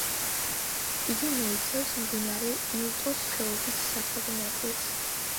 იგი მოიცავს მდინარე ილტოს ხეობის სათავე ნაწილს.